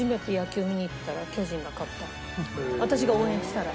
私が応援したら。